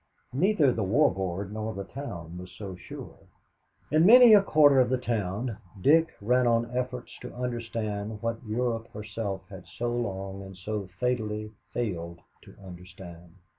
Neither the War Board nor the town was so sure. In many a quarter of the town Dick ran on efforts to understand what Europe herself has so long and so fatally failed to understand.